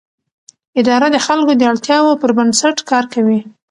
اداره د خلکو د اړتیاوو پر بنسټ کار کوي.